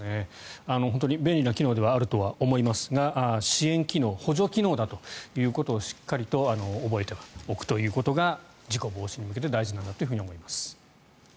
本当に便利な機能であるとは思いますが支援機能補助機能だということをしっかりと覚えておくということが事故防止に向けて大事なんだというふうに思います。